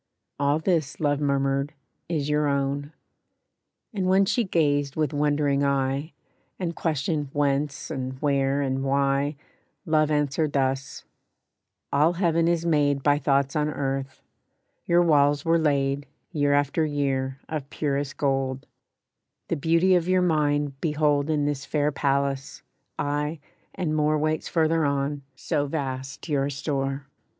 "All this," Love murmured, "is your own." And when she gazed with wondering eye, And questioned whence and where and why, Love answered thus: "All Heaven is made By thoughts on earth; your walls were laid, Year after year, of purest gold; The beauty of your mind behold In this fair palace; aye, and more Waits farther on, so vast your store.